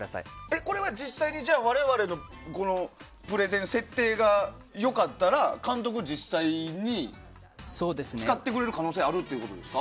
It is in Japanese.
これ、実際に我々のプレゼン、設定が良かったら、監督が実際に使ってくれる可能性があるということですか？